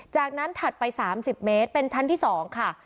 จากนั้นถัดไป๓๐เมตรเป็นชั้นที่๒ค่ะ